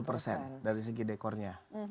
dua puluh persen dari segi dekornya